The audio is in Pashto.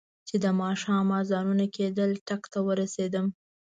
چې د ماښام اذانونه کېدل ټک ته ورسېدم.